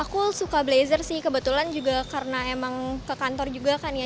aku suka blazer sih kebetulan juga karena emang ke kantor juga kan ya